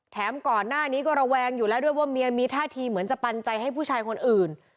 ก่อนหน้านี้ก็ระแวงอยู่แล้วด้วยว่าเมียมีท่าทีเหมือนจะปันใจให้ผู้ชายคนอื่น